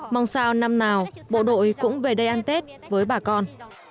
mong sao năm nào bộ đội cũng về đây ăn tết với bà con